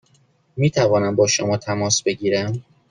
می توانم با شما تماس بگیرم؟